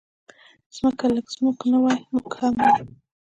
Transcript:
مځکه که له موږ نه وای، موږ هم نه وو.